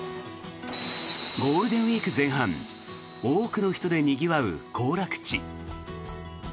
ゴールデンウィーク前半多くの人でにぎわう行楽地。